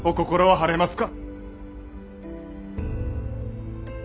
晴れますか！